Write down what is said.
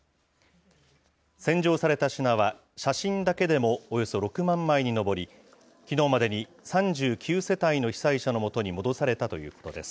洗浄された品は、写真だけでもおよそ６万枚に上り、きのうまでに３９世帯の被災者の元に戻されたということです。